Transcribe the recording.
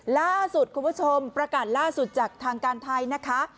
ล่าสุดคุณผู้ชมประกาศล่าสุดจากทางการไทยนะคะ